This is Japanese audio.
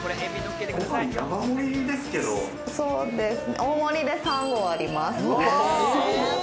大盛りで３合あります。